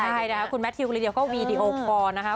ใช่นะคะคุณแมททิวคือวีดีโอคอล์นะคะ